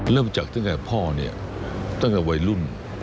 เริ่มจากตั้งแต่พ่อเนี่ยตั้งแต่วัยรุ่น